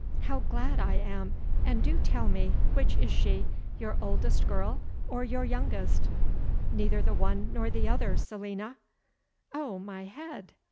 "How glad I am! And do tell me which is she? Your oldest girl or your youngest?" "Neither the one nor the other, Selina." "Oh, my head!